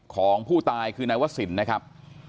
ของผู้ตายคือนายวศิลป์นะครับ